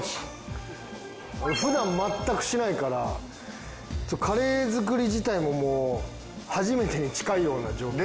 普段全くしないからカレー作り自体ももう初めてに近いような状態で。